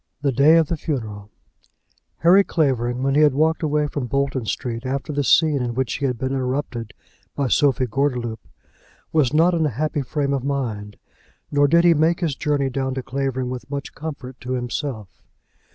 THE DAY OF THE FUNERAL. Harry Clavering, when he walked away from Bolton Street after the scene in which he had been interrupted by Sophie Gordeloup, was not in a happy frame of mind, nor did he make his journey down to Clavering with much comfort to himself.